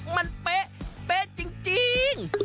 มันเป๊ะเป๊ะจริง